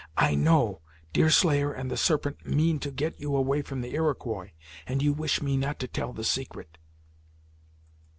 "I know Deerslayer and the Serpent mean to get you away from the Iroquois, and you wish me not to tell the secret."